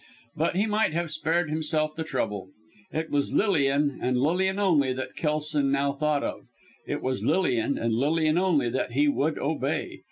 But he might have spared himself the trouble. It was Lilian, and Lilian only, that Kelson now thought of it was Lilian, and Lilian only, that he would obey.